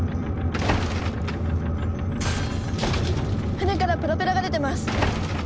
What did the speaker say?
船からプロペラが出てます。